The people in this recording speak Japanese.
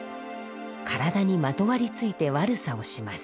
体にまとわりついて悪さをします。